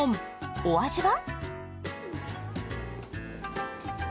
お味は？